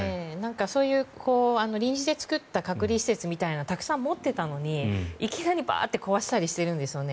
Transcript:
そういう臨時で作った隔離施設みたいなのをたくさん持っていたのにいきなりバーッて壊したりしてるんですよね。